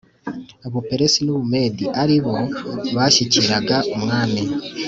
Buperesi n u Bumedi ari bo bashyikiraga umwami